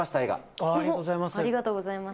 ありがとうございます。